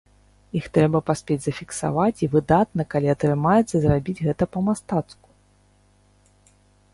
Іх трэба паспець зафіксаваць, і выдатна, калі атрымаецца зрабіць гэта па-мастацку.